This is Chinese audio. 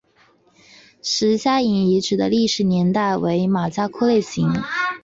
石家营遗址的历史年代为马家窑类型。